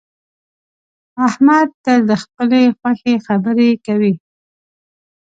احمد تل د خپلې خوښې خبرې کوي